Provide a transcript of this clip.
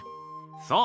そう！